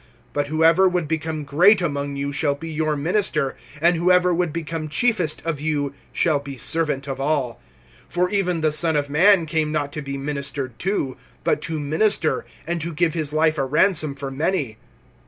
But whoever would become great among you, shall be your minister; (44)and whoever would become chiefest of you, shall be servant of all. (45)For even the Son of man came not to be ministered to, but to minister, and to give his life a ransom for many.